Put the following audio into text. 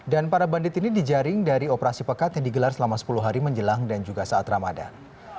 dan para bandit ini dijaring dari operasi pekat yang digelar selama sepuluh hari menjelang dan juga saat ramadan